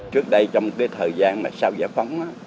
trước đây trong thời gian sau giả phóng